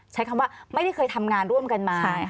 ใช้คำว่าไม่ได้เคยทำงานร่วมกันมา